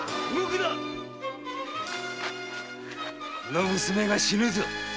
この娘が死ぬぞ。